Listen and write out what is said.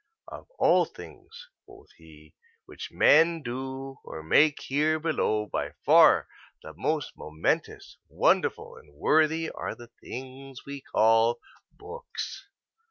"Of all things," quoth he, "which men do or make here below by far the most momentous, wonderful, and worthy are the things we call books."